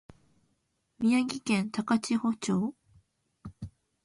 宮崎県高千穂町